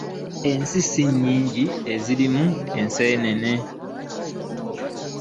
Ensi si nnyingi ezirimu enseene.